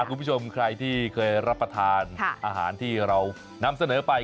คุณผู้ชมใครที่เคยรับประทานอาหารที่เรานำเสนอไป